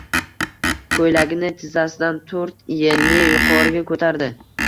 Koʼylagini tizzasidan toʼrt enli yuqoriga koʼtardi.